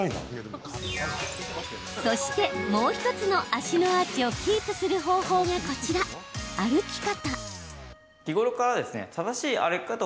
そして、もう１つの足のアーチをキープする方法がこちら、歩き方。